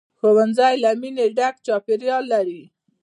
ښوونځی له مینې ډک چاپېریال لري